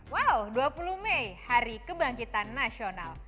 wow dua puluh mei hari kebangkitan nasional